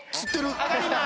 上がります。